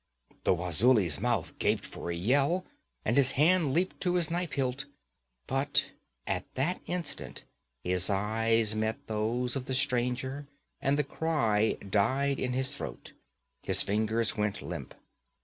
The Wazuli's mouth gaped for a yell, and his hand leaped to his knife hilt. But at that instant his eyes met those of the stranger and the cry died in his throat, his fingers went limp.